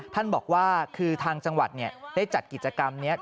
ท่านบอกว่าคือทางจังหวัดได้จัดกิจกรรมนี้